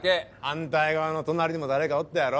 反対側の隣にも誰かおったやろ？